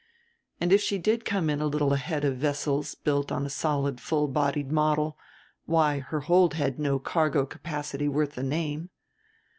And if she did come in a little ahead of vessels built on a solid full bodied model, why her hold had no cargo capacity worth the name.